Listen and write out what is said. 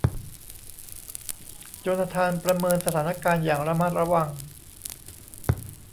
โจนาธานประเมินสถานการณ์อย่างระมัดระวัง